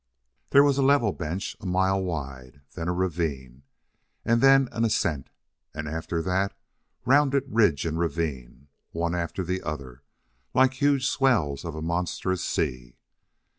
There was a level bench a mile wide, then a ravine, and then an ascent, and after that, rounded ridge and ravine, one after the other, like huge swells of a monstrous sea.